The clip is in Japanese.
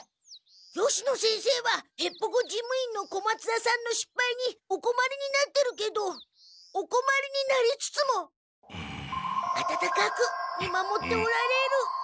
吉野先生はへっぽこ事務員の小松田さんのしっぱいにおこまりになってるけどおこまりになりつつもあたたかく見守っておられる。